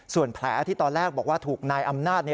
ส่วนแผลที่ตอนแรกบอกว่าถูกนายอำนาจ